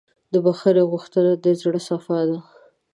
د بښنې غوښتنه د زړۀ صفا ده.